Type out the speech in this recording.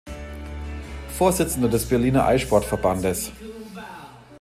Vorsitzender des Berliner Eissport-Verbandes.